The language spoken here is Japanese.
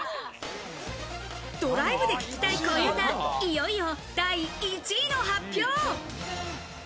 ドライブで聴きたい恋うた、いよいよ第１位の発表。